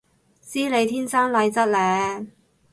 知你天生麗質嘞